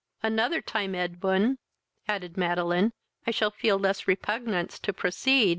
"Another time, Edwin, (added Madeline,) I shall feel less repugnance to proceed.